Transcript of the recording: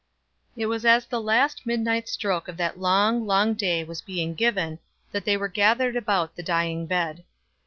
It was as the last midnight stroke of that long, long day was being given, that they were gathered about the dying bed.